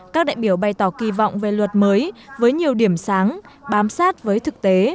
các đại biểu bày tỏ kỳ vọng về luật mới với nhiều điểm sáng bám sát với thực tế